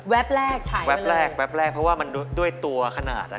แว๊บแรกถ่ายมาเลยแว๊บแรกแว๊บแรกเพราะว่ามันด้วยตัวขนาด